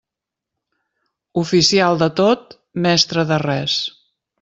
Oficial de tot, mestre de res.